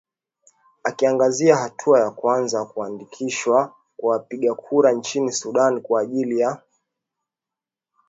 akiangazia hatua ya kuanza kuandikishwa kwa wapiga kura nchini sudan kwa ajili ya